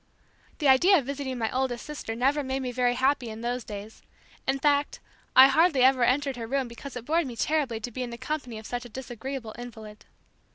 The idea of visiting my oldest sister never made me very happy in those days. In fart, I hardly ever entered her room because it bored me terribly to be in the company of such a disagreeable invalid.